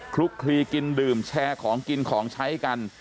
คลุกคลีกินดื่มแชร์ของกินของใช้กัน